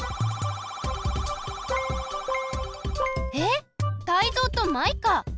えっタイゾウとマイカ！